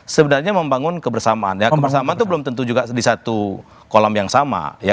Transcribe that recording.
sebenarnya membangun kebersamaan ya kebersamaan itu belum tentu juga di satu kolam yang sama